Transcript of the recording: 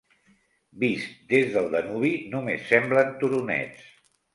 Vist des del Danubi, només semblen turonets.